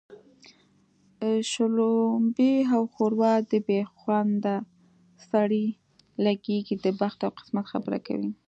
شلومبې او ښوروا د بې خونده سړي لږېږي د بخت او قسمت خبره کوي